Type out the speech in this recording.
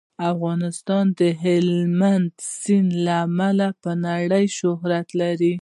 افغانستان د هلمند سیند له امله په نړۍ شهرت لري.